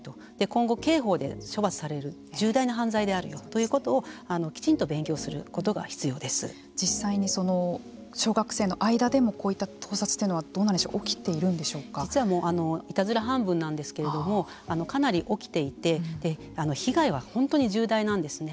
今後、刑法で処罰される重大な犯罪であるよということをきちんと勉強することが実際にその小学生の間でもこういった盗撮というのはどうなんでしょうか実はもういたずら半分なんですけれどもかなり起きていて被害は本当に重大なんですね。